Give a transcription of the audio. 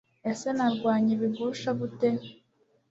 Ese narwanya ibigusha gute